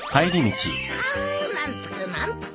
あ満腹満腹。